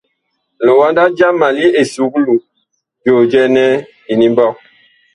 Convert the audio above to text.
Liwanda jama li esuklu, joo jɛɛ nɛ Inimɓɔg.